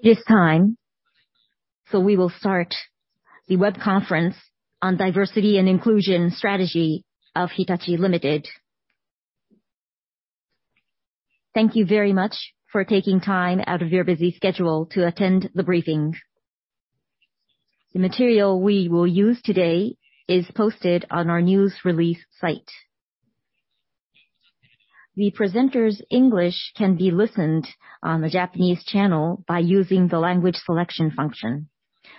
It's time, so we will start the web conference on diversity and inclusion strategy of Hitachi, Ltd. Thank you very much for taking time out of your busy schedule to attend the briefing. The material we will use today is posted on our news release site. The presenters' English can be listened on the Japanese channel by using the language selection function.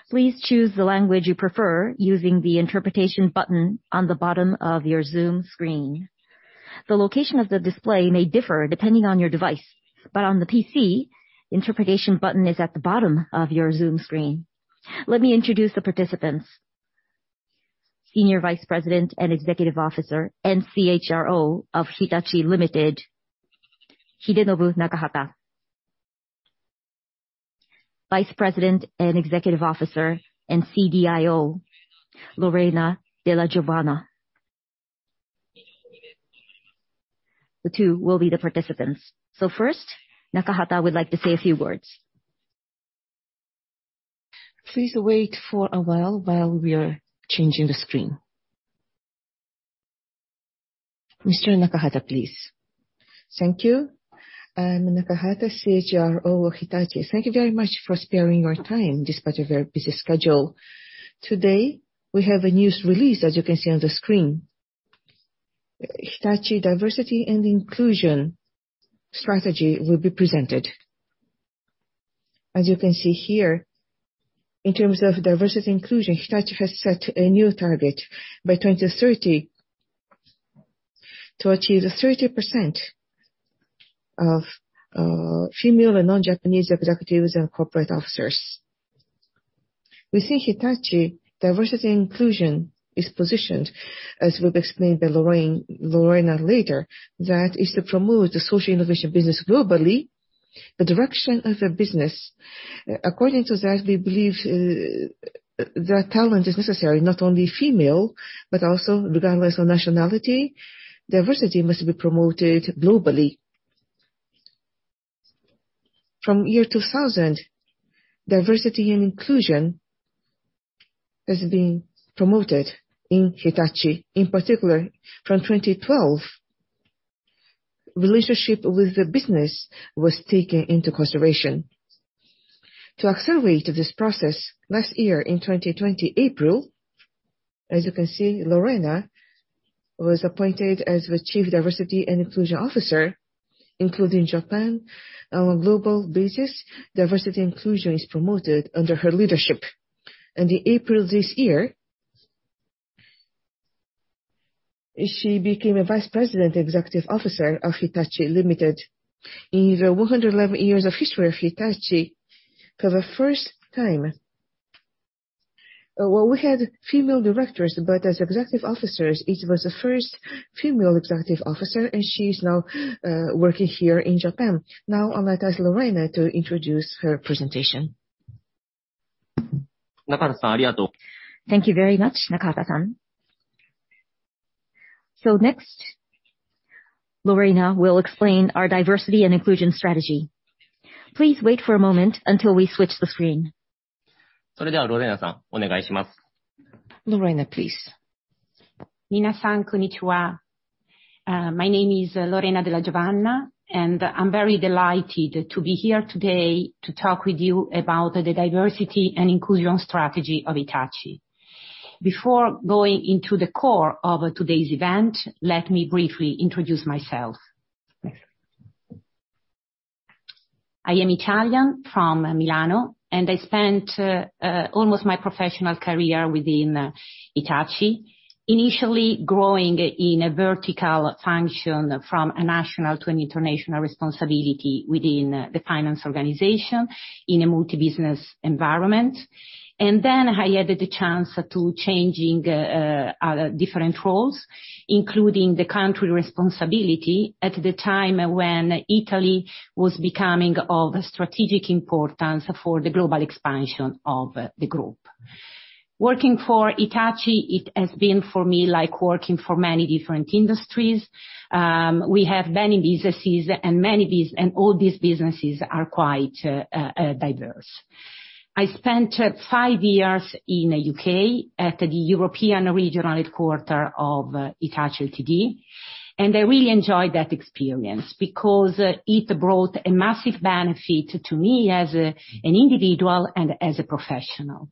Please choose the language you prefer using the interpretation button on the bottom of your Zoom screen. The location of the display may differ depending on your device, but on the PC, the interpretation button is at the bottom of your Zoom screen. Let me introduce the participants. Senior Vice President and Executive Officer and CHRO of Hitachi, Ltd., Hidenobu Nakahata. Vice President and Executive Officer and CDIO, Lorena Dellagiovanna. The two will be the participants. First, Nakahata would like to say a few words. Please wait for a while we are changing the screen. Mr. Nakahata, please. Thank you. I'm Nakahata, CHRO of Hitachi. Thank you very much for sparing your time despite your very busy schedule. Today, we have a news release, as you can see on the screen. Hitachi diversity and inclusion strategy will be presented. As you can see here, in terms of diversity and inclusion, Hitachi has set a new target by 2030 to achieve 30% of female and non-Japanese executives and corporate officers. Within Hitachi, diversity and inclusion is positioned, as will be explained by Lorena later, that is to promote the social innovation business globally, the direction of the business. According to that, we believe that talent is necessary, not only female, but also regardless of nationality. Diversity must be promoted globally. From the year 2000, diversity and inclusion has been promoted in Hitachi. In particular, from 2012, relationship with the business was taken into consideration. To accelerate this process, last year in 2020, April, as you can see, Lorena was appointed as the Chief Diversity and Inclusion Officer, including Japan. On a global basis, diversity and inclusion is promoted under her leadership. In April this year, she became a Vice President Executive Officer of Hitachi, Ltd. In the 111 years of history of Hitachi, for the first time Well, we had female directors, but as Executive Officers, it was the first female Executive Officer, and she's now working here in Japan. Now I'll ask Lorena to introduce her presentation. Thank you very much, Nakahata-san. Next, Lorena will explain our diversity and inclusion strategy. Please wait for a moment until we switch the screen. Lorena, please. My name is Lorena Dellagiovanna, and I'm very delighted to be here today to talk with you about the diversity and inclusion strategy of Hitachi. Before going into the core of today's event, let me briefly introduce myself. I am Italian froam Milano, and I spent almost my professional career within Hitachi, initially growing in a vertical function from a national to an international responsibility within the finance organization in a multi-business environment. I had the chance to changing different roles, including the country responsibility at the time when Italy was becoming of strategic importance for the global expansion of the group. Working for Hitachi, it has been for me like working for many different industries. We have many businesses, and all these businesses are quite diverse. I spent five years in the U.K. at the European regional headquarter of Hitachi, Ltd. I really enjoyed that experience because it brought a massive benefit to me as an individual and as a professional.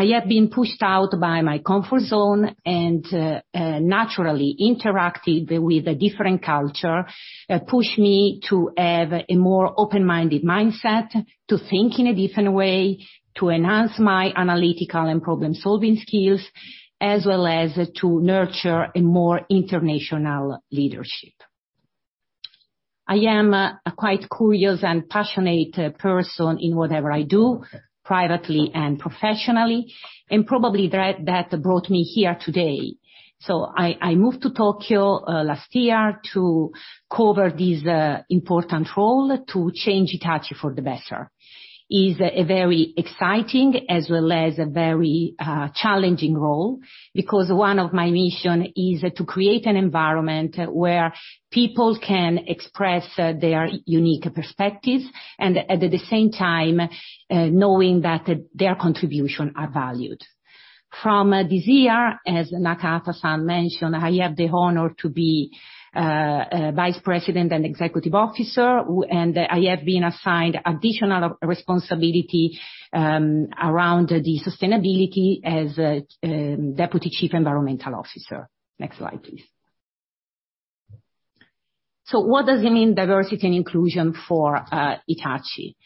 I have been pushed out by my comfort zone and naturally interacted with a different culture. It pushed me to have a more open-minded mindset, to think in a different way, to enhance my analytical and problem-solving skills, as well as to nurture a more international leadership. I am a quite curious and passionate person in whatever I do, privately and professionally, and probably that brought me here today. I moved to Tokyo last year to cover this important role to change Hitachi for the better. It's a very exciting as well as a very challenging role because one of my mission is to create an environment where people can express their unique perspectives and at the same time knowing that their contribution are valued. From this year, as Nakahata-san mentioned, I have the honor to be Vice President and Executive Officer, and I have been assigned additional responsibility around the sustainability as Deputy Chief Environmental Officer. Next slide, please. What does it mean, diversity and inclusion, for Hitachi?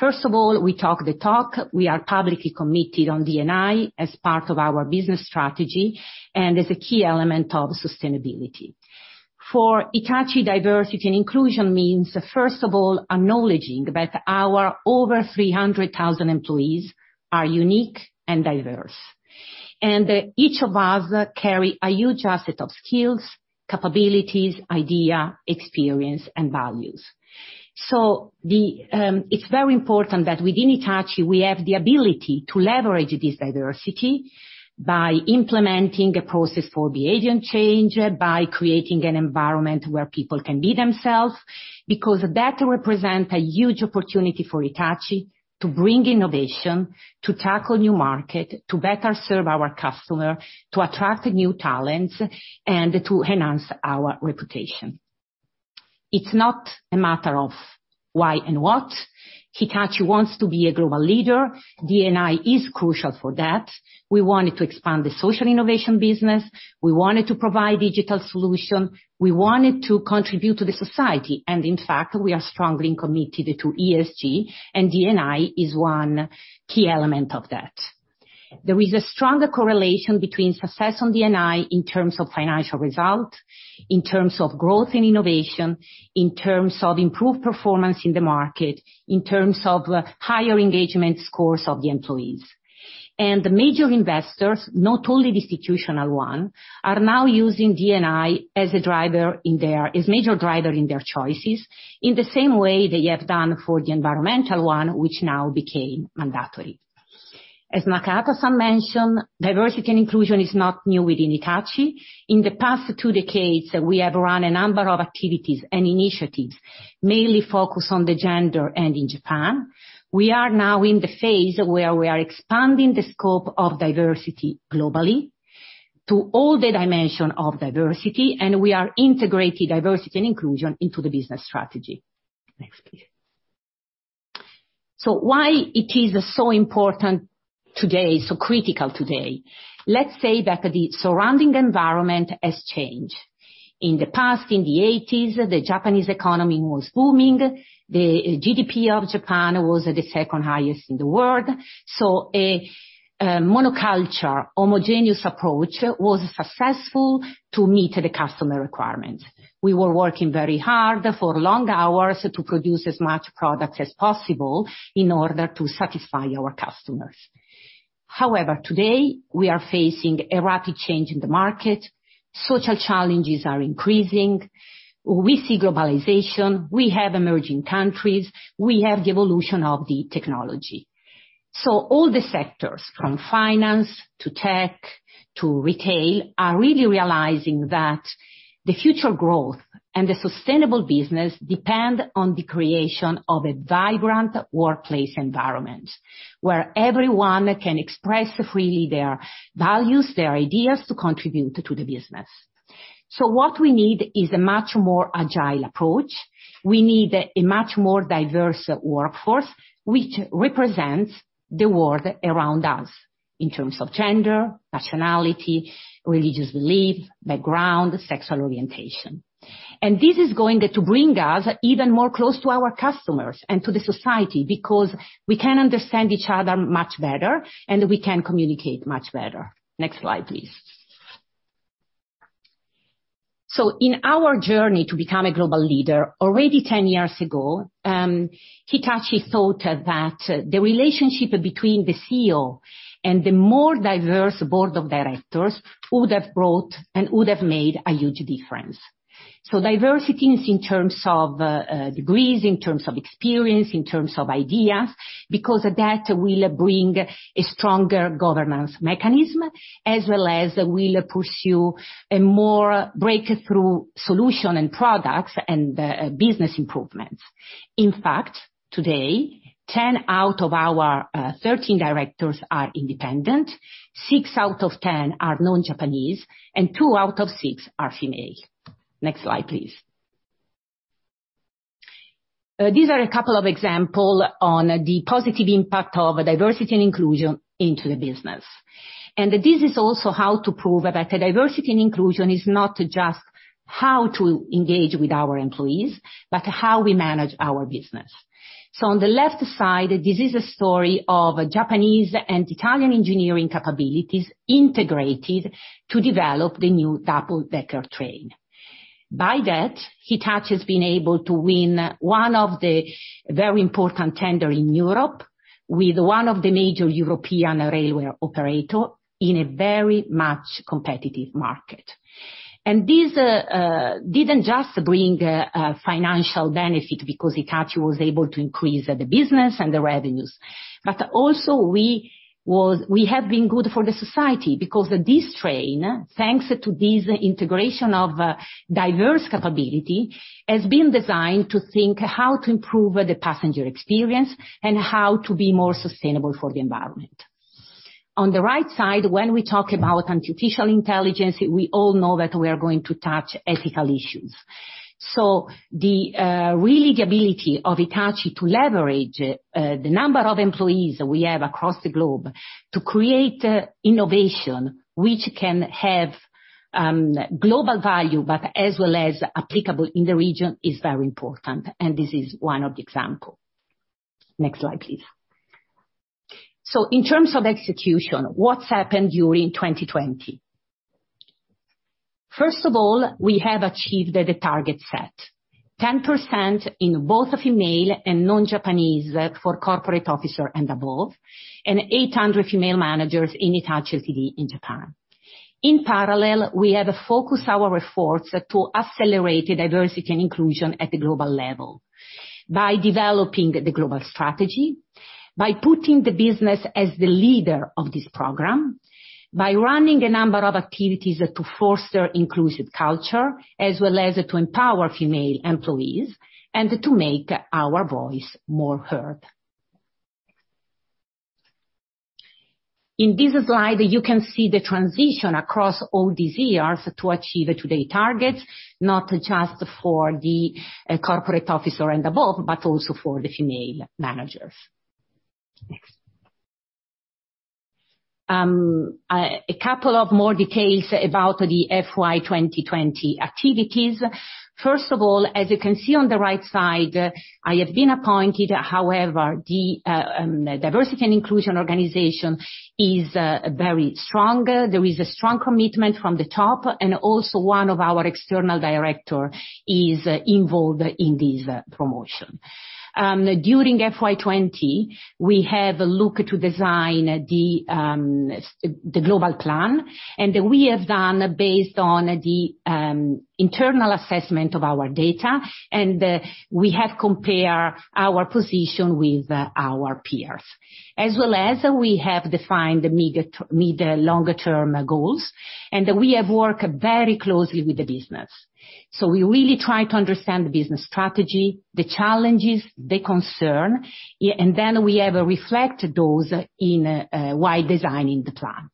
First of all, we talk the talk. We are publicly committed on D&I as part of our business strategy and as a key element of sustainability. For Hitachi, diversity and inclusion means, first of all, acknowledging that our over 300,000 employees are unique and diverse, and each of us carry a huge asset of skills, capabilities, idea, experience, and values. It's very important that within Hitachi, we have the ability to leverage this diversity by implementing a process for behavior change, by creating an environment where people can be themselves, because that represents a huge opportunity for Hitachi to bring innovation, to tackle new market, to better serve our customer, to attract new talents, and to enhance our reputation. It's not a matter of why and what. Hitachi wants to be a global leader. D&I is crucial for that. We wanted to expand the social innovation business. We wanted to provide digital solution. We wanted to contribute to the society. In fact, we are strongly committed to ESG, and D&I is one key element of that. There is a stronger correlation between success on D&I in terms of financial result, in terms of growth and innovation, in terms of improved performance in the market, in terms of higher engagement scores of the employees. The major investors, not only the institutional one, are now using D&I as a major driver in their choices, in the same way they have done for the environmental one, which now became mandatory. As Nakahata-san mentioned, diversity and inclusion is not new within Hitachi. In the past two decades, we have run a number of activities and initiatives, mainly focused on the gender and in Japan. We are now in the phase where we are expanding the scope of diversity globally to all the dimension of diversity, and we are integrating diversity and inclusion into the business strategy. Next, please. Why it is so important today, so critical today? Let's say that the surrounding environment has changed. In the past, in the '80s, the Japanese economy was booming. The GDP of Japan was the second highest in the world. A monoculture homogeneous approach was successful to meet the customer requirements. We were working very hard for long hours to produce as much product as possible in order to satisfy our customers. However, today, we are facing a rapid change in the market. Social challenges are increasing. We see globalization. We have emerging countries. We have the evolution of the technology. All the sectors, from finance to tech to retail, are really realizing that the future growth and the sustainable business depend on the creation of a vibrant workplace environment, where everyone can express freely their values, their ideas, to contribute to the business. What we need is a much more agile approach. We need a much more diverse workforce, which represents the world around us in terms of gender, nationality, religious belief, background, sexual orientation. This is going to bring us even more close to our customers and to the society, because we can understand each other much better, and we can communicate much better. Next slide, please. In our journey to become a global leader, already 10 years ago, Hitachi thought that the relationship between the CEO and the more diverse board of directors would have brought and would have made a huge difference. Diversity is in terms of degrees, in terms of experience, in terms of ideas, because that will bring a stronger governance mechanism, as well as will pursue a more breakthrough solution and products and business improvements. In fact, today, 10 out of our 13 directors are independent, six out of 10 are non-Japanese, and two out of six are female. Next slide, please. These are a couple of example on the positive impact of diversity and inclusion into the business. This is also how to prove that diversity and inclusion is not just how to engage with our employees, but how we manage our business. On the left side, this is a story of Japanese and Italian engineering capabilities integrated to develop the new double decker train. By that, Hitachi has been able to win one of the very important tender in Europe with one of the major European railway operator in a very much competitive market. This didn't just bring a financial benefit because Hitachi was able to increase the business and the revenues. Also we have been good for the society because this train, thanks to this integration of diverse capability, has been designed to think how to improve the passenger experience and how to be more sustainable for the environment. On the right side, when we talk about artificial intelligence, we all know that we are going to touch ethical issues. The reliability of Hitachi to leverage the number of employees we have across the globe to create innovation which can have global value, but as well as applicable in the region, is very important, and this is one of the example. Next slide, please. In terms of execution, what's happened during 2020? First of all, we have achieved the target set, 10% in both female and non-Japanese for corporate officer and above, and 800 female managers in Hitachi, Ltd. in Japan. In parallel, we have focused our efforts to accelerate diversity and inclusion at the global level by developing the global strategy, by putting the business as the leader of this program, by running a number of activities to foster inclusive culture, as well as to empower female employees, and to make our voice more heard. In this slide, you can see the transition across all these years to achieve today targets, not just for the corporate officer and above, but also for the female managers. Next. A couple of more details about the FY2020 activities. First of all, as you can see on the right side, I have been appointed. However, the diversity and inclusion organization is very strong. There is a strong commitment from the top, and also one of our external director is involved in this promotion. During FY2020, we have looked to design the global plan, we have done based on the internal assessment of our data, we have compare our position with our peers. We have defined the mid longer term goals, we have worked very closely with the business. We really try to understand the business strategy, the challenges, the concern, we have reflect those while designing the plan.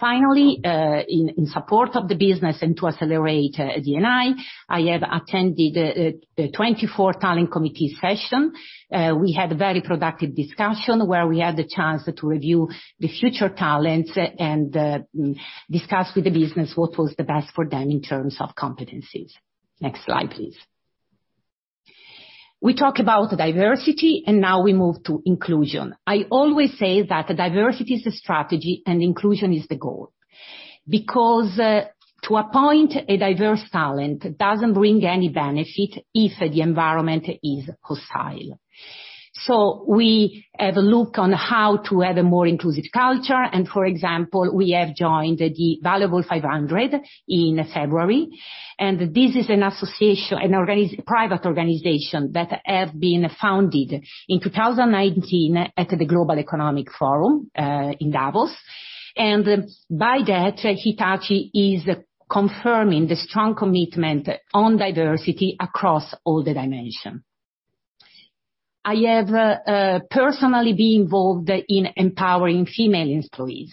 Finally, in support of the business and to accelerate D&I have attended the 24 Talent Committee session. We had very productive discussion where we had the chance to review the future talents and discuss with the business what was the best for them in terms of competencies. Next slide, please. We talked about diversity, now we move to inclusion. I always say that diversity is a strategy and inclusion is the goal, because to appoint a diverse talent doesn't bring any benefit if the environment is hostile. We have looked on how to have a more inclusive culture, and for example, we have joined The Valuable 500 in February. This is an association, a private organization that have been founded in 2019 at the World Economic Forum, in Davos. By that, Hitachi is confirming the strong commitment on diversity across all the dimension. I have personally been involved in empowering female employees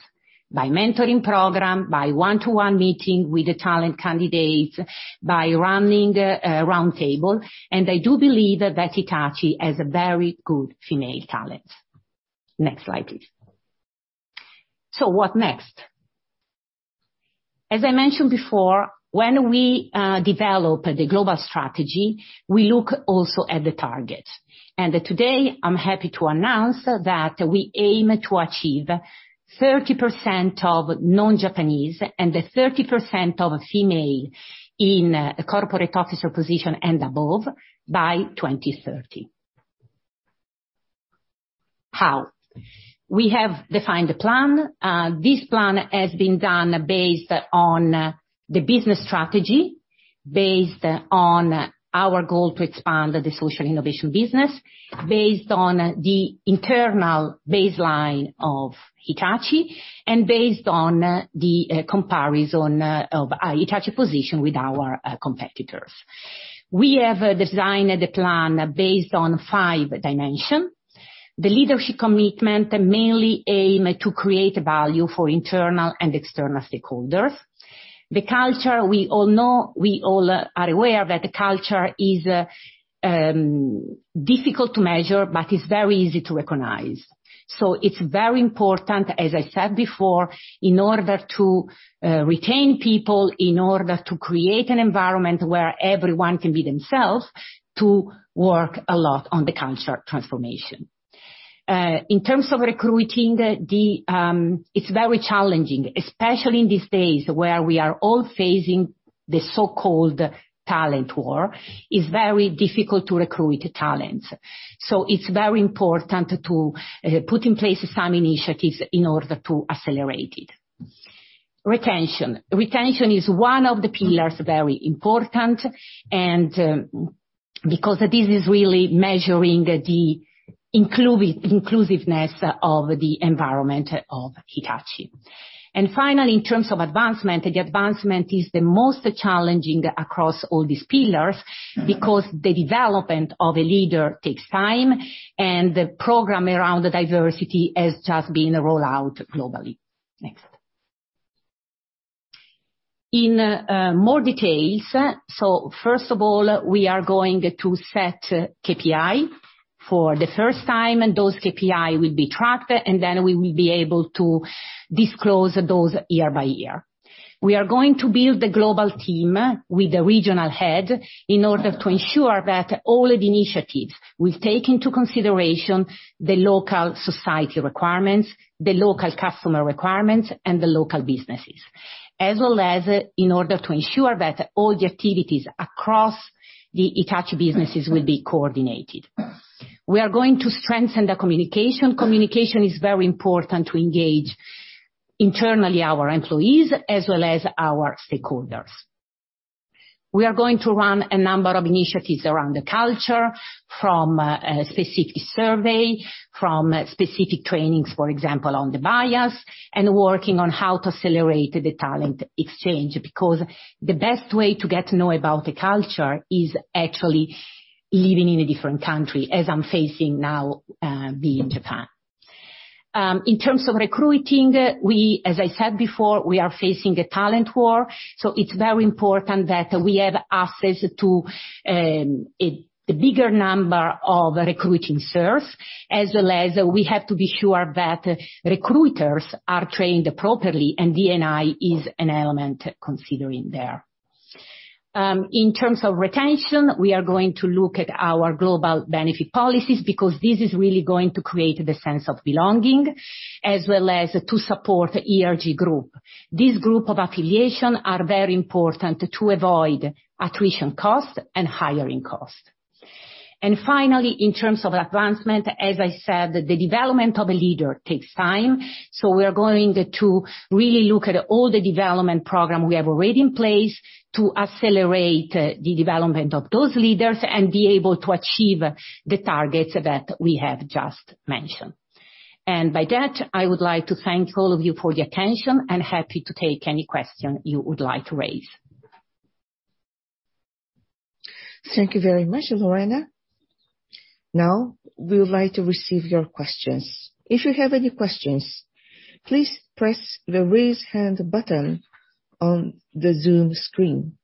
by mentoring program, by one-to-one meeting with the talent candidates, by running a round table, and I do believe that Hitachi has very good female talent. Next slide, please. What next? As I mentioned before, when we develop the global strategy, we look also at the target. Today, I'm happy to announce that we aim to achieve 30% of non-Japanese and 30% of female in a corporate officer position and above by 2030. How? We have defined the plan. This plan has been done based on the business strategy, based on our goal to expand the social innovation business, based on the internal baseline of Hitachi, and based on the comparison of Hitachi position with our competitors. We have designed the plan based on five dimension. The leadership commitment mainly aim to create value for internal and external stakeholders. The culture, we all know, we all are aware that culture is difficult to measure, but is very easy to recognize. It's very important, as I said before, in order to retain people, in order to create an environment where everyone can be themselves to work a lot on the culture transformation. In terms of recruiting, it's very challenging, especially in these days where we are all facing the so-called talent war. It's very difficult to recruit talent. It's very important to put in place some initiatives in order to accelerate it. Retention. Retention is one of the pillars, very important, and because this is really measuring the inclusiveness of the environment of Hitachi. Finally, in terms of advancement, the advancement is the most challenging across all these pillars because the development of a leader takes time, and the program around diversity has just been rolled out globally. Next. In more details. First of all, we are going to set KPI for the first time, and those KPI will be tracked, and then we will be able to disclose those year by year. We are going to build the global team with the regional head in order to ensure that all the initiatives will take into consideration the local society requirements, the local customer requirements, and the local businesses, as well as in order to ensure that all the activities across the Hitachi businesses will be coordinated. We are going to strengthen the communication. Communication is very important to engage internally our employees as well as our stakeholders. We are going to run a number of initiatives around the culture from a specific survey, from specific trainings, for example, on the bias, and working on how to accelerate the talent exchange, because the best way to get to know about the culture is actually living in a different country, as I'm facing now, being in Japan. In terms of recruiting, as I said before, we are facing a talent war, so it's very important that we have access to a bigger number of recruiting source, as well as we have to be sure that recruiters are trained appropriately and D&I is an element considering there. In terms of retention, we are going to look at our global benefit policies because this is really going to create the sense of belonging as well as to support ERG group. This group of affiliation are very important to avoid attrition costs and hiring costs. Finally, in terms of advancement, as I said, the development of a leader takes time, so we're going to really look at all the development program we have already in place to accelerate the development of those leaders and be able to achieve the targets that we have just mentioned. By that, I would like to thank all of you for your attention, and happy to take any question you would like to raise. Thank you very much, Lorena. We would like to receive your questions. If you have any questions, please press the Raise Hand button on the Zoom screen.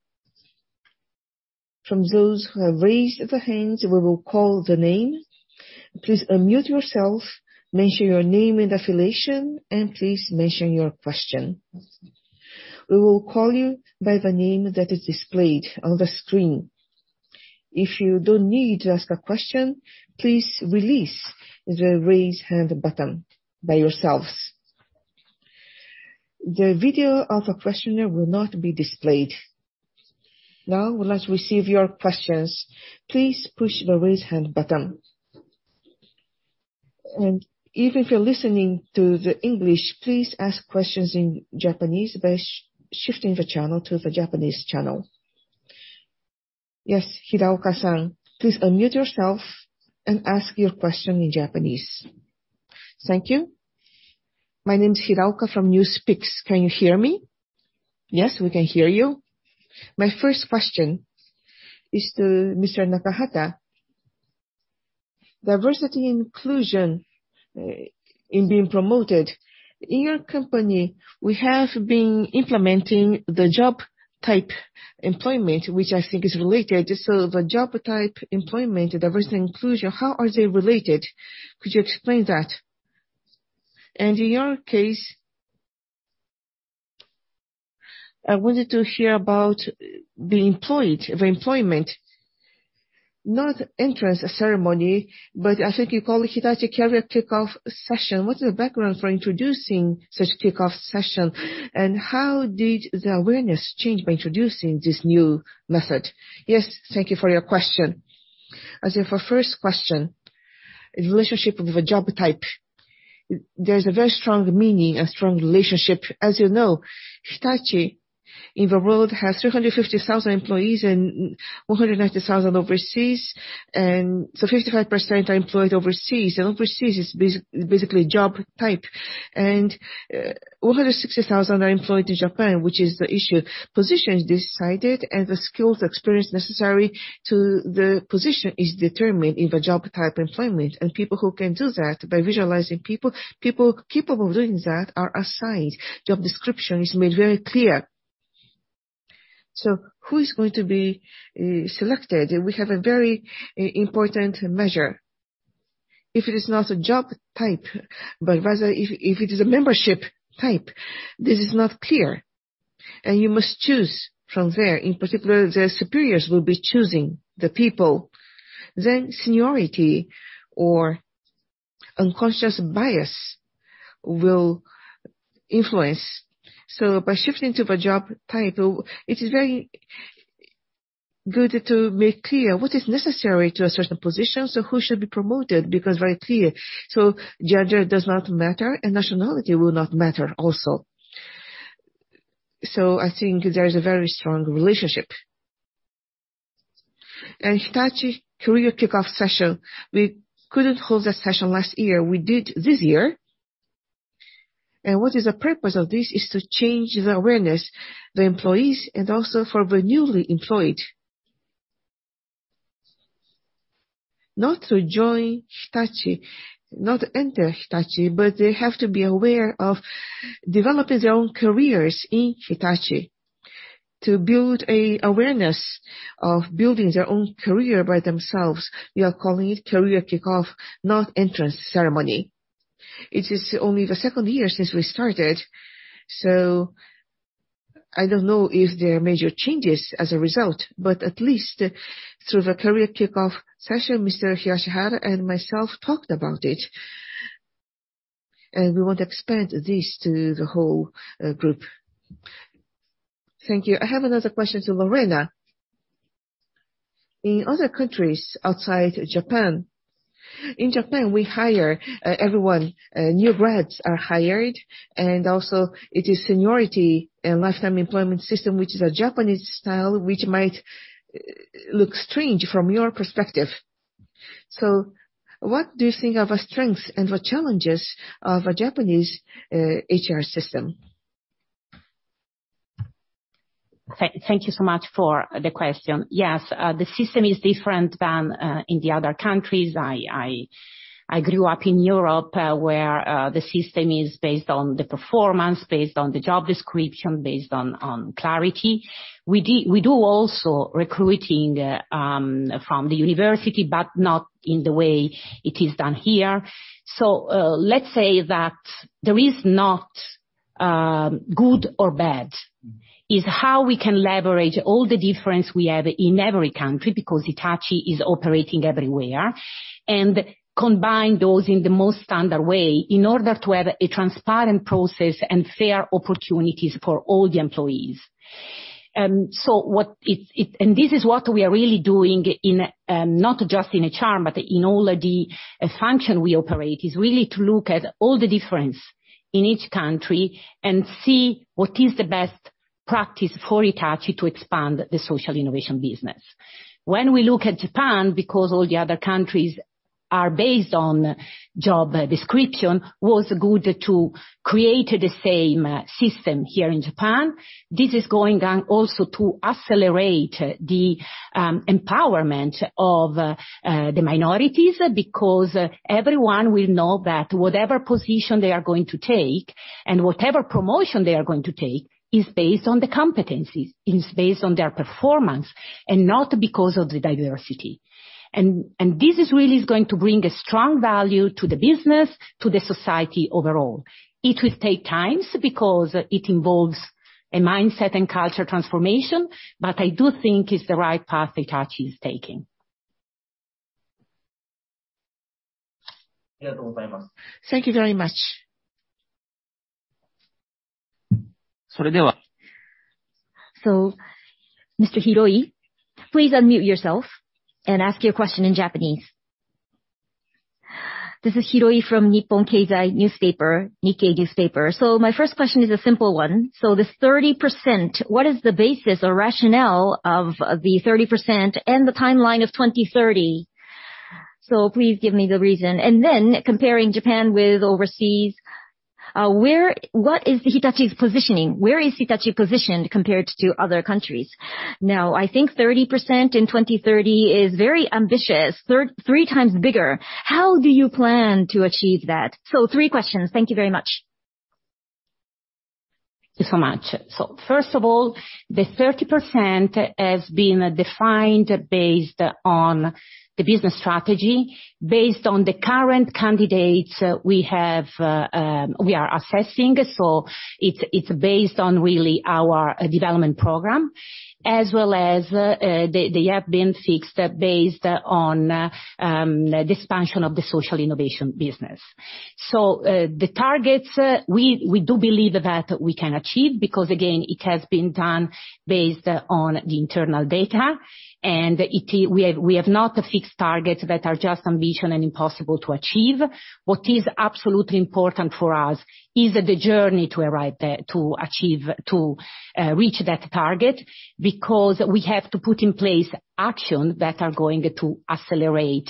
From those who have raised the hands, we will call the name. Please unmute yourself, mention your name and affiliation, and please mention your question. We will call you by the name that is displayed on the screen. If you don't need to ask a question, please release the Raise Hand button by yourselves. The video of a questioner will not be displayed. We'd like to receive your questions. Please push the Raise Hand button. Even if you're listening to the English, please ask questions in Japanese by shifting the channel to the Japanese channel. Yes, Hiraoka-san, please unmute yourself and ask your question in Japanese. Thank you. My name is Hiraoka from NewsPicks. Can you hear me? Yes, we can hear you. My first question is to Mr. Nakahata. Diversity Inclusion in being promoted. In your company, we have been implementing the job type employment, which I think is related. The job type employment Diversity Inclusion, how are they related? Could you explain that? In your case, I wanted to hear about the employment. Not entrance ceremony, but I think you call it Hitachi Career Kickoff Session. What is the background for introducing such kickoff session, and how did the awareness change by introducing this new method? Yes, thank you for your question. As your first question, in relationship with the job type, there is a very strong meaning, a strong relationship. As you know, Hitachi in the world has 350,000 employees and 190,000 overseas, 55% are employed overseas. Overseas is basically job type. 160,000 are employed in Japan, which is the issued positions decided, and the skills experience necessary to the position is determined in the job type employment. People who can do that by visualizing people capable of doing that are assigned. Job description is made very clear. Who is going to be selected? We have a very important measure. If it is not a job type, but rather if it is a membership type, this is not clear, and you must choose from there. In particular, the superiors will be choosing the people, then seniority or unconscious bias will influence. By shifting to the job type, it is very good to make clear what is necessary to a certain position, so who should be promoted because very clear. Gender does not matter, and nationality will not matter also. I think there is a very strong relationship. Hitachi Career Kickoff Session, we couldn't hold that session last year. We did this year. What is the purpose of this is to change the awareness, the employees, and also for the newly employed not to join Hitachi, not enter Hitachi, but they have to be aware of developing their own careers in Hitachi to build an awareness of building their own career by themselves. We are calling it Career Kickoff, not entrance ceremony. It is only the second year since we started, so I don't know if there are major changes as a result, but at least through the Career Kickoff Session, Mr. Higashihara and myself talked about it, and we want to expand this to the whole group. Thank you. I have another question to Lorena. In Japan, we hire everyone. Also it is seniority and lifetime employment system, which is a Japanese style, which might look strange from your perspective. What do you think are the strengths and the challenges of a Japanese HR system? Thank you so much for the question. Yes, the system is different than in the other countries. I grew up in Europe, where the system is based on the performance, based on the job description, based on clarity. We do also recruiting from the university, but not in the way it is done here. Let's say that there is not good or bad. It's how we can leverage all the difference we have in every country, because Hitachi is operating everywhere, and combine those in the most standard way in order to have a transparent process and fair opportunities for all the employees. This is what we are really doing, not just in HR, but in all the function we operate, is really to look at all the difference in each country and see what is the best practice for Hitachi to expand the social innovation business. When we look at Japan, because all the other countries are based on job description, was good to create the same system here in Japan. This is going also to accelerate the empowerment of the minorities, because everyone will know that whatever position they are going to take and whatever promotion they are going to take is based on the competencies, is based on their performance, and not because of the diversity. This is really going to bring a strong value to the business, to the society overall. It will take time because it involves a mindset and culture transformation, but I do think it's the right path Hitachi is taking. Thank you very much. Mr. Hiroe, please unmute yourself and ask your question in Japanese. This is Hiroe from Nihon Keizai Newspaper, Nikkei newspaper. My first question is a simple one. This 30%, what is the basis or rationale of the 30% and the timeline of 2030? Please give me the reason. Comparing Japan with overseas, what is Hitachi's positioning? Where is Hitachi positioned compared to other countries? I think 30% in 2030 is very ambitious, three times bigger. How do you plan to achieve that? Three questions. Thank you very much. Thank you so much. First of all, the 30% has been defined based on the business strategy, based on the current candidates we are assessing. It's based on really our development program, as well as they have been fixed based on the expansion of the social innovation business. The targets, we do believe that we can achieve, because again, it has been done based on the internal data, and we have not fixed targets that are just ambition and impossible to achieve. What is absolutely important for us is the journey to arrive there, to achieve, to reach that target, because we have to put in place action that are going to accelerate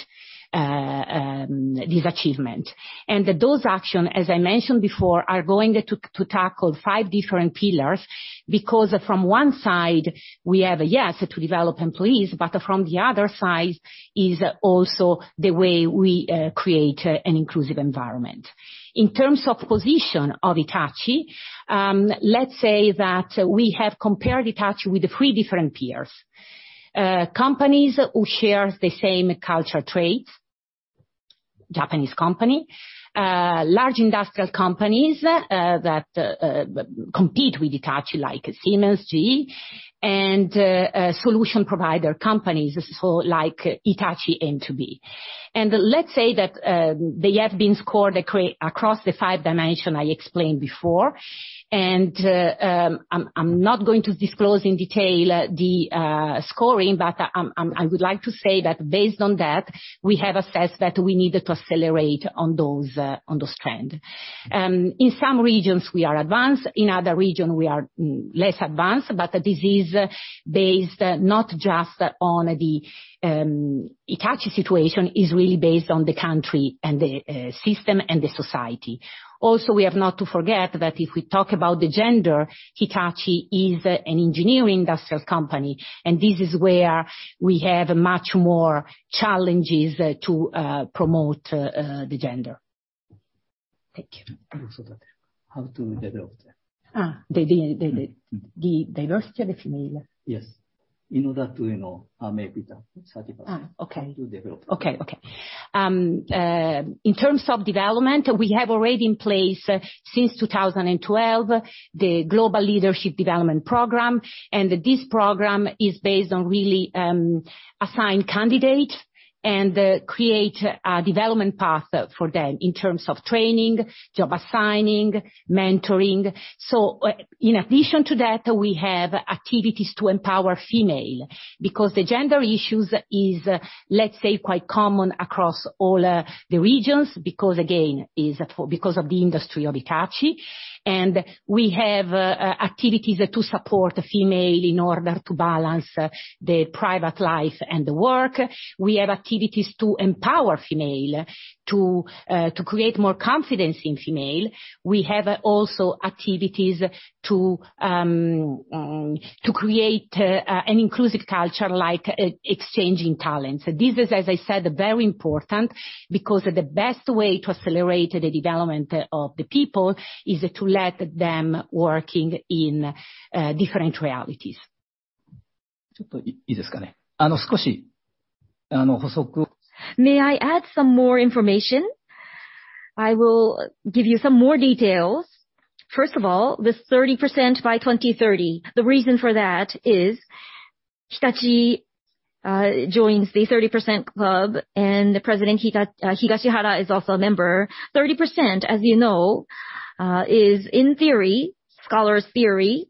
this achievement. Those action, as I mentioned before, are going to tackle five different pillars. From one side, we have, yes, to develop employees, but from the other side is also the way we create an inclusive environment. In terms of position of Hitachi, let's say that we have compared Hitachi with three different peers. Companies who share the same culture traits, Japanese company, large industrial companies that compete with Hitachi like Siemens, GE, and solution provider companies, so like Hitachi and 2B. Let's say that they have been scored across the five dimension I explained before. I'm not going to disclose in detail the scoring, but I would like to say that based on that, we have assessed that we need to accelerate on those trend. In some regions, we are advanced, in other region, we are less advanced, but this is based not just on the Hitachi situation, it's really based on the country and the system and the society. Also, we have not to forget that if we talk about the gender, Hitachi is an engineering industrial company, and this is where we have much more challenges to promote the gender. Thank you. How to develop them. The diversity of the female. Yes. In order to maybe. Okay. to develop. Okay. In terms of development, we have already in place since 2012, the Global Leadership Development Program, and this program is based on really assigned candidates and create a development path for them in terms of training, job assigning, mentoring. In addition to that, we have activities to empower female, because the gender issue is, let's say, quite common across all the regions because, again, because of the industry of Hitachi. We have activities to support female in order to balance their private life and work. We have activities to empower female, to create more confidence in female. We have also activities to create an inclusive culture like exchanging talents. This is, as I said, very important because the best way to accelerate the development of the people is to let them working in different realities. May I add some more information? I will give you some more details. First of all, the 30% by 2030, the reason for that is Hitachi joins the 30% Club, and President Higashihara is also a member. 30%, as you know, is in theory, scholars' theory,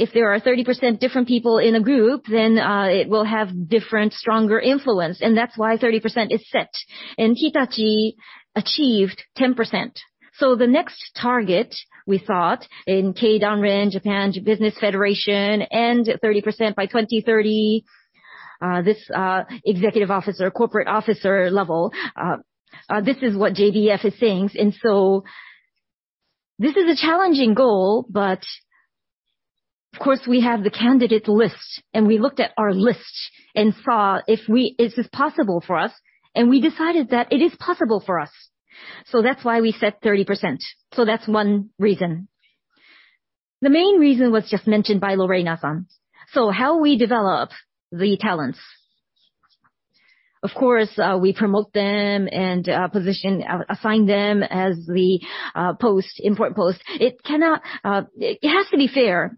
if there are 30% different people in a group, then it will have different, stronger influence, and that's why 30% is set. Hitachi achieved 10%. The next target we thought in Keidanren, Japan Business Federation, and 30% by 2030, this executive officer, corporate officer level, this is what JBF is saying. This is a challenging goal, but of course, we have the candidate list and we looked at our list and saw if this is possible for us, and we decided that it is possible for us. That's why we set 30%. That's one reason. The main reason was just mentioned by Lorena. How we develop the talents. Of course, we promote them and position, assign them as the important post. It has to be fair.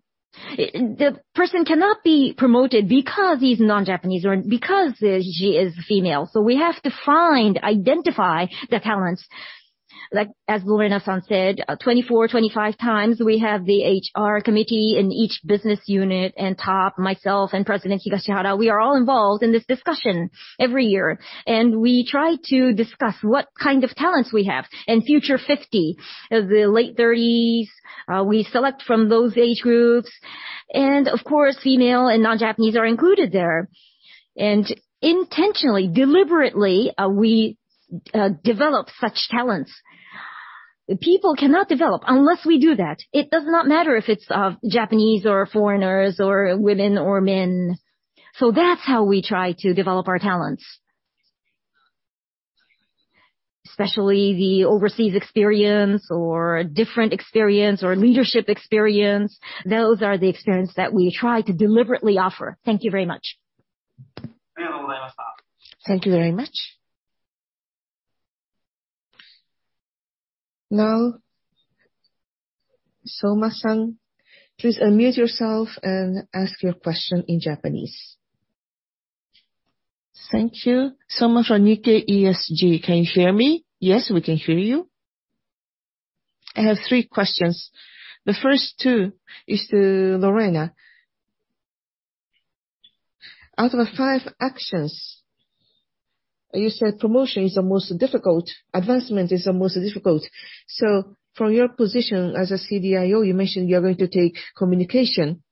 The person cannot be promoted because he's non-Japanese or because she is female. We have to find, identify the talents. Like, as Lorena said, 24, 25 times, we have the HR committee in each business unit, and top, myself and President Higashihara, we are all involved in this discussion every year. We try to discuss what kind of talents we have. Future 50. The late 30s, we select from those age groups. Of course, female and non-Japanese are included there. Intentionally, deliberately, we develop such talents. People cannot develop unless we do that. It does not matter if it's Japanese or foreigners or women or men. That's how we try to develop our talents. Especially the overseas experience or different experience or leadership experience, those are the experience that we try to deliberately offer. Thank you very much. Thank you very much. Soma-san, please unmute yourself and ask your question in Japanese. Thank you. Soma from Nikkei ESG. Can you hear me? Yes, we can hear you. I have three questions. The first two is to Lorena. Out of the five actions, you said promotion is the most difficult, advancement is the most difficult. From your position as a CDIO, you mentioned you're going to take communication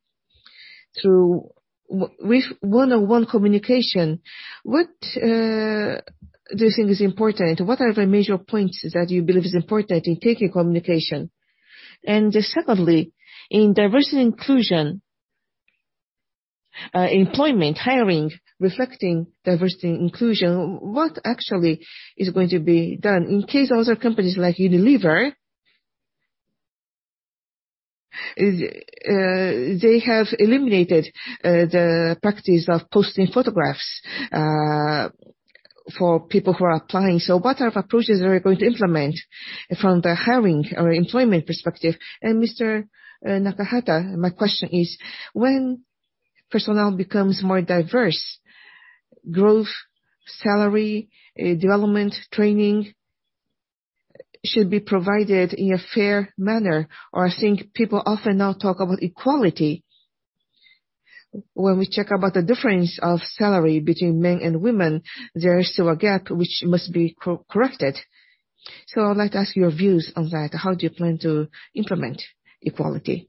through with one-on-one communication. What do you think is important? What are the major points that you believe is important in taking communication? Secondly, in diversity and inclusion, employment, hiring, reflecting diversity and inclusion, what actually is going to be done? In case other companies like Unilever They have eliminated the practice of posting photographs for people who are applying. What type of approaches are you going to implement from the hiring or employment perspective? Mr. Nakahata, my question is, when personnel becomes more diverse, growth, salary, development, training should be provided in a fair manner, or I think people often now talk about equality. When we check about the difference of salary between men and women, there is still a gap which must be corrected. I'd like to ask your views on that. How do you plan to implement equality?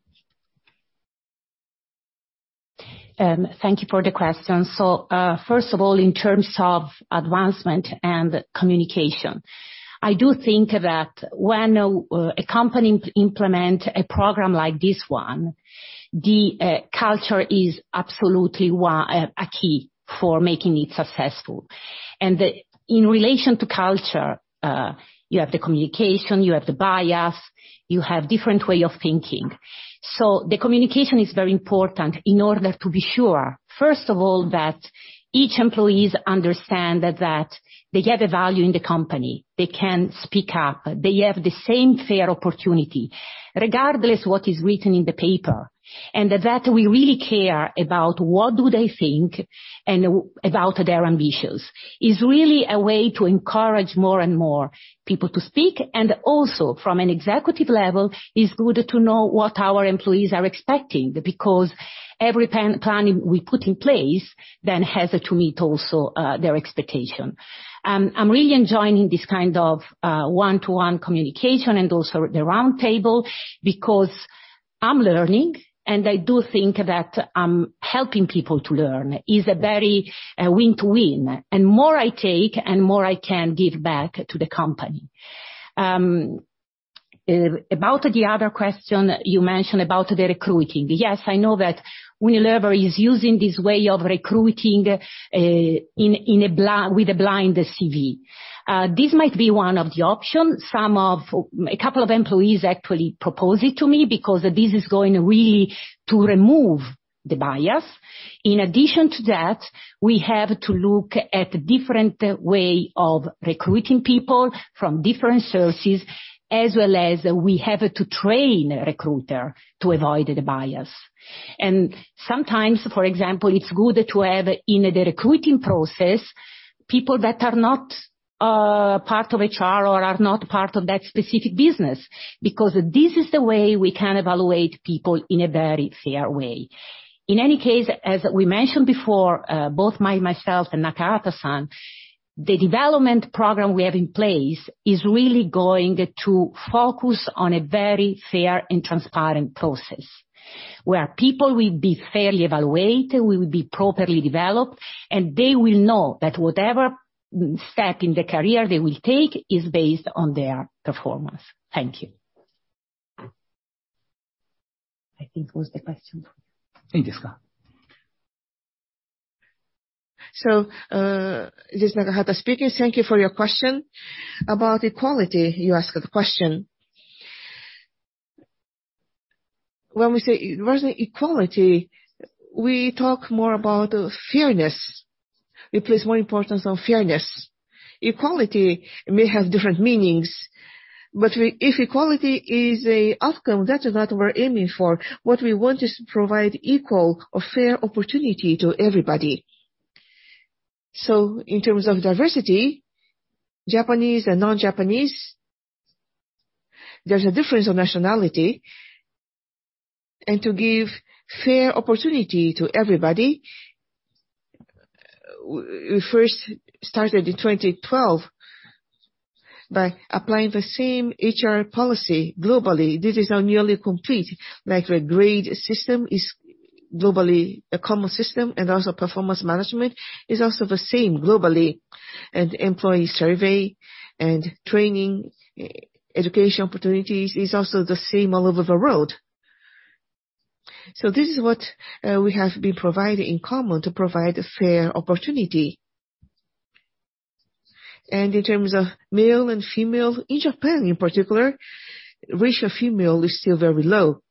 Thank you for the question. First of all, in terms of advancement and communication, I do think that when a company implement a program like this one, the culture is absolutely a key for making it successful. In relation to culture, you have the communication, you have the bias, you have different way of thinking. The communication is very important in order to be sure, first of all, that each employees understand that they have a value in the company. They can speak up. They have the same fair opportunity, regardless what is written in the paper. We really care about what do they think and about their ambitions, is really a way to encourage more and more people to speak. Also from an executive level, it's good to know what our employees are expecting, because every plan we put in place then has to meet also their expectation. I'm really enjoying this kind of one-to-one communication and also the roundtable, because I'm learning, and I do think that helping people to learn is a very win-to-win. More I take, and more I can give back to the company. About the other question you mentioned about the recruiting. Yes, I know that Unilever is using this way of recruiting with a blind CV. This might be one of the option. A couple of employees actually propose it to me because this is going really to remove the bias. In addition to that, we have to look at different way of recruiting people from different sources, as well as we have to train a recruiter to avoid the bias. Sometimes, for example, it's good to have, in the recruiting process, people that are not part of HR or are not part of that specific business, because this is the way we can evaluate people in a very fair way. In any case, as we mentioned before, both myself and Nakahata-san, the development program we have in place is really going to focus on a very fair and transparent process, where people will be fairly evaluated, will be properly developed, and they will know that whatever step in the career they will take is based on their performance. Thank you. I think was the question. This is Nakahata speaking. Thank you for your question. About equality, you asked the question. When we say diversity, equality, we talk more about fairness. We place more importance on fairness. Equality may have different meanings, but if equality is a outcome, that is not we're aiming for. What we want is to provide equal or fair opportunity to everybody. In terms of diversity, Japanese and non-Japanese, there's a difference of nationality. To give fair opportunity to everybody, we first started in 2012 by applying the same HR policy globally. This is now nearly complete, like a grade system is globally a common system, and also performance management is also the same globally. Employee survey and training, education opportunities is also the same all over the world. This is what we have been providing in common to provide a fair opportunity. In terms of male and female, in Japan in particular, ratio female is still very low.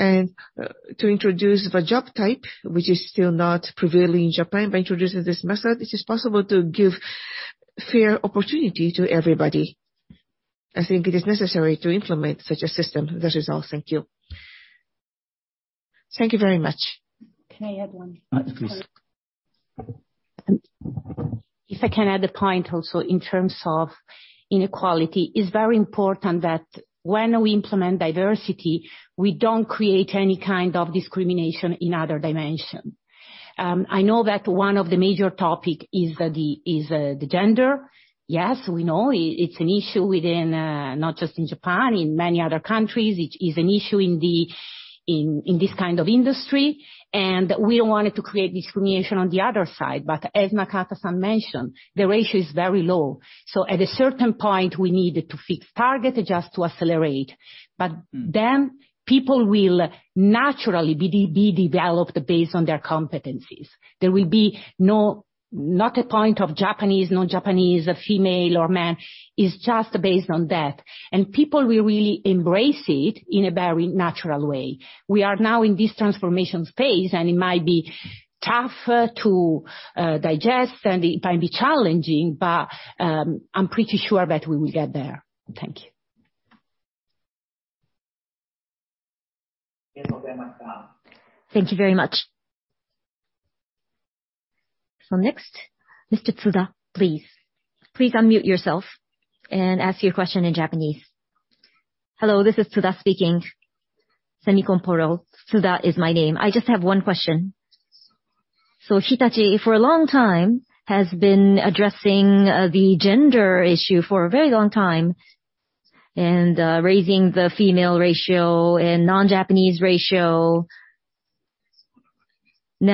To introduce the job type, which is still not prevailing in Japan, by introducing this method, it is possible to give fair opportunity to everybody. I think it is necessary to implement such a system. That is all. Thank you. Thank you very much. Can I add? Please. If I can add a point also in terms of inequality, it's very important that when we implement diversity, we don't create any kind of discrimination in other dimension. I know that one of the major topic is the gender. Yes, we know it's an issue within, not just in Japan, in many other countries. It is an issue in this kind of industry. We don't want it to create discrimination on the other side. As Nakahata-san mentioned, the ratio is very low. At a certain point, we need to fix target just to accelerate. People will naturally be developed based on their competencies. There will be not a point of Japanese, not Japanese, a female or man. It's just based on that. People will really embrace it in a very natural way. We are now in this transformation phase, and it might be tougher to digest, and it might be challenging, but I'm pretty sure that we will get there. Thank you. Thank you very much. Next, Mr. Tsuda, please. Please unmute yourself and ask your question in Japanese. Hello, this is Tsuda speaking. [Semiconductor], Tsuda is my name. I just have one question. Hitachi, for a long time, has been addressing the gender issue for a very long time, and raising the female ratio and non-Japanese ratio. In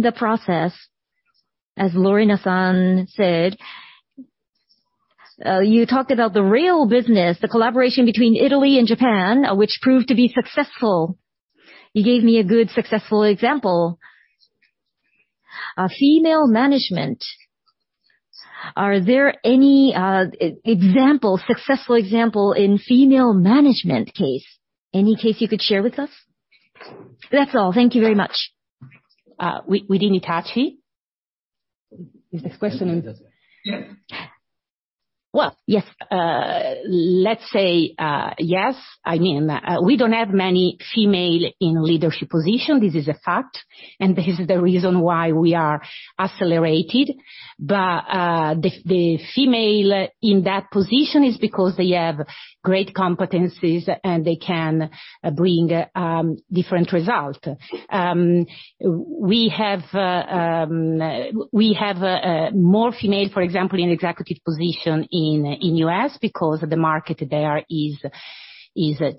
the process, as Lorena-san said. You talked about the real business, the collaboration between Italy and Japan, which proved to be successful. You gave me a good, successful example. Female management. Are there any successful example in female management case? Any case you could share with us? That's all. Thank you very much. Within Hitachi? This question is. Yes. Well, yes. Let's say yes. We don't have many female in leadership position, this is a fact, and this is the reason why we are accelerated. The female in that position is because they have great competencies and they can bring different result. We have more female, for example, in executive position in U.S. because the market there is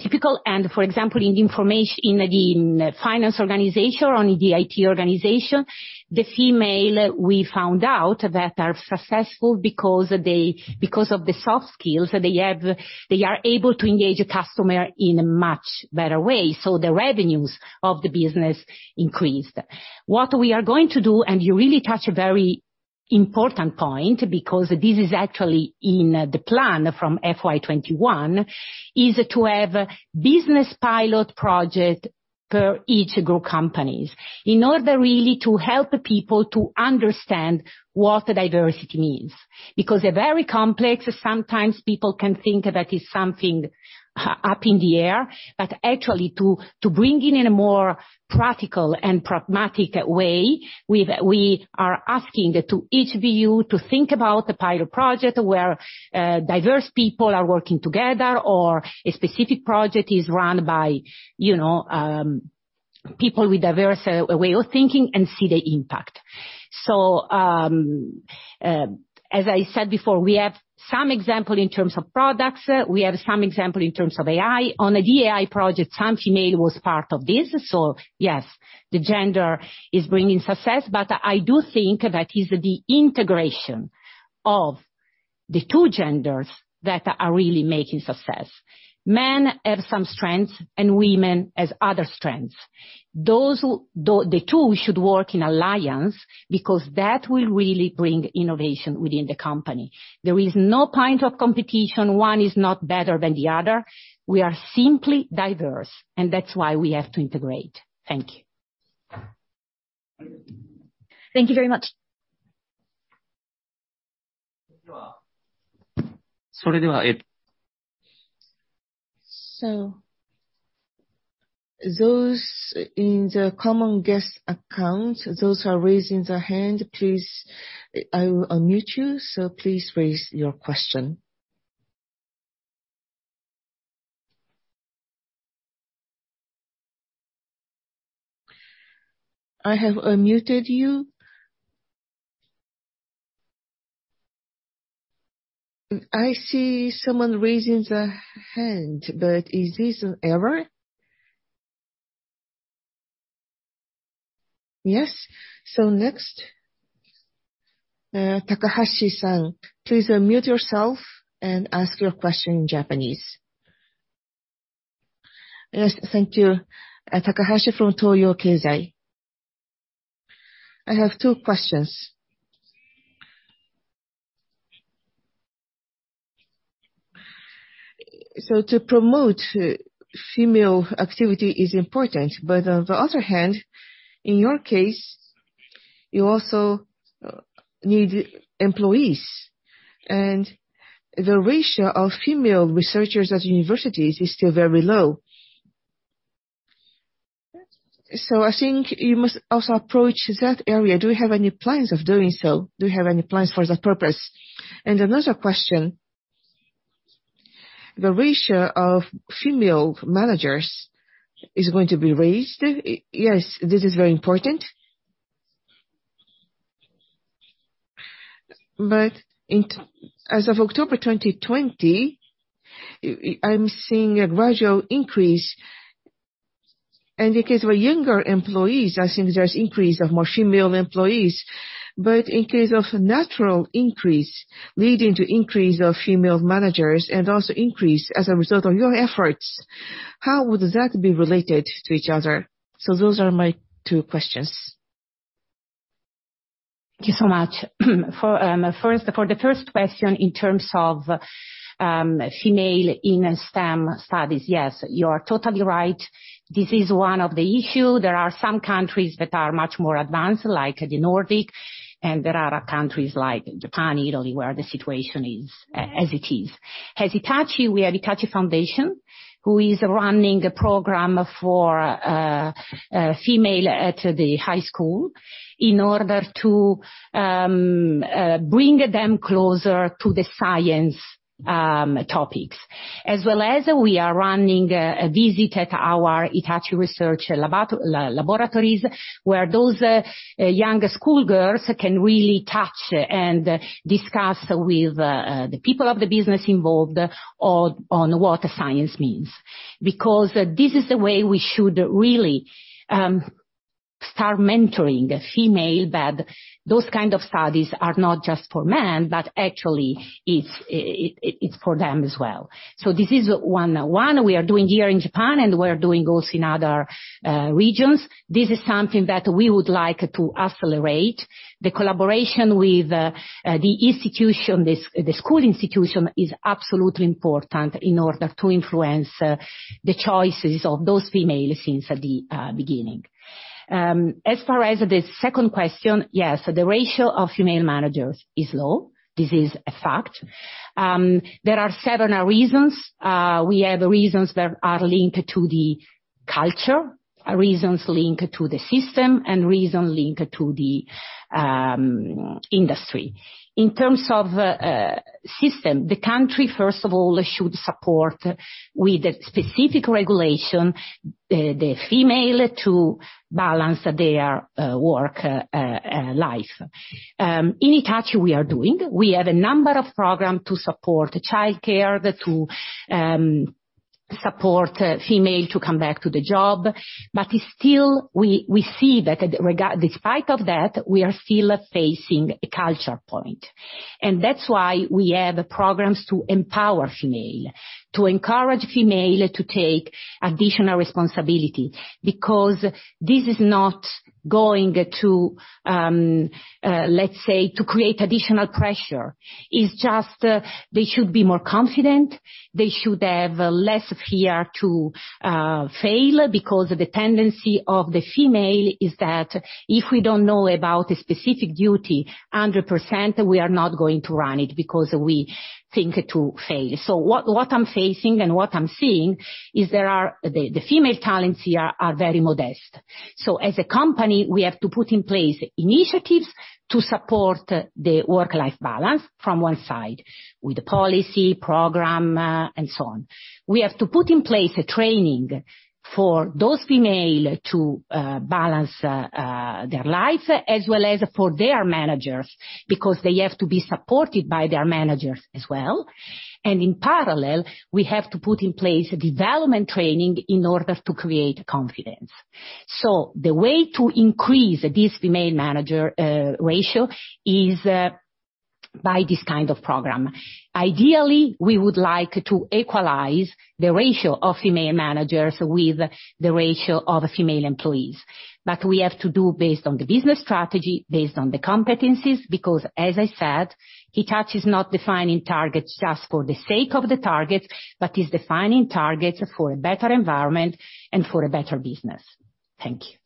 typical. For example, in the finance organization or in the IT organization, the female, we found out, that are successful because of the soft skills they have, they are able to engage the customer in a much better way. The revenues of the business increased. What we are going to do, you really touch a very important point, because this is actually in the plan from FY2021, is to have business pilot project per each group companies in order really to help people to understand what diversity means. They're very complex. Sometimes people can think that it's something up in the air. Actually, to bring it in a more practical and pragmatic way, we are asking to each BU to think about a pilot project where diverse people are working together or a specific project is run by people with diverse way of thinking and see the impact. As I said before, we have some example in terms of products, we have some example in terms of AI. On the AI project, some female was part of this. Yes, the gender is bringing success, but I do think that it's the integration of the two genders that are really making success. Men have some strengths and women has other strengths. The two should work in alliance because that will really bring innovation within the company. There is no kind of competition. One is not better than the other. We are simply diverse, and that's why we have to integrate. Thank you. Thank you very much. Those in the common guest account, those who are raising their hand, I will unmute you, please raise your question. I have unmuted you. I see someone raising their hand, is this an error? Yes. Next, Takahashi-san, please unmute yourself and ask your question in Japanese. Yes, thank you. Takahashi from Toyo Keizai. I have two questions. To promote female activity is important, but on the other hand, in your case, you also need employees, and the ratio of female researchers at universities is still very low. I think you must also approach that area. Do you have any plans of doing so? Do you have any plans for that purpose? Another question, the ratio of female managers is going to be raised. Yes, this is very important. As of October 2020, I'm seeing a gradual increase. In the case of younger employees, I think there's increase of more female employees. In case of natural increase leading to increase of female managers and also increase as a result of your efforts, how would that be related to each other? Those are my two questions. Thank you so much. For the first question, in terms of female in STEM studies, yes, you are totally right. This is one of the issue. There are some countries that are much more advanced, like the Nordic, and there are countries like Japan, Italy, where the situation is as it is. As Hitachi, we have Hitachi Foundation, who is running a program for female at the high school in order to bring them closer to the science topics. As well as we are running a visit at our Hitachi Research Laboratories, where those young school girls can really touch and discuss with the people of the business involved on what science means. This is the way we should really start mentoring female that those kind of studies are not just for men, but actually it's for them as well. This is one we are doing here in Japan, and we're doing also in other regions. This is something that we would like to accelerate. The collaboration with the school institution is absolutely important in order to influence the choices of those females since the beginning. As far as the second question, yes, the ratio of female managers is low. This is a fact. There are several reasons. We have reasons that are linked to the culture, reasons linked to the system, and reason linked to the industry. In terms of system, the country, first of all, should support with specific regulation the female to balance their work life. In Hitachi we are doing. We have a number of program to support childcare, to support female to come back to the job. Still, we see that despite of that, we are still facing a culture point. That's why we have programs to empower female, to encourage female to take additional responsibility. This is not going to, let's say, to create additional pressure. It's just they should be more confident, they should have less fear to fail, because the tendency of the female is that if we don't know about a specific duty 100%, we are not going to run it because we think to fail. What I'm facing and what I'm seeing is the female talents here are very modest. As a company, we have to put in place initiatives to support the work-life balance from one side, with policy, program, and so on. We have to put in place a training for those female to balance their lives as well as for their managers, because they have to be supported by their managers as well. In parallel, we have to put in place development training in order to create confidence. The way to increase this female manager ratio is by this kind of program. Ideally, we would like to equalize the ratio of female managers with the ratio of female employees. We have to do based on the business strategy, based on the competencies, because as I said, Hitachi is not defining targets just for the sake of the targets, but is defining targets for a better environment and for a better business. Thank you.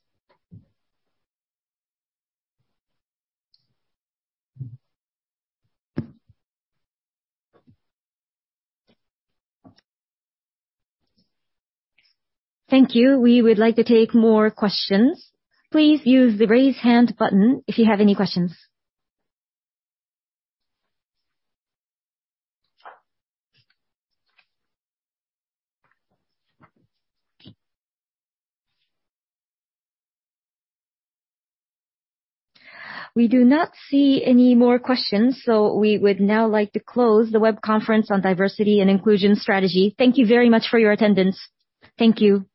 Thank you. We would like to take more questions. Please use the Raise Hand button if you have any questions. We do not see any more questions, we would now like to close the web conference on diversity and inclusion strategy. Thank you very much for your attendance. Thank you.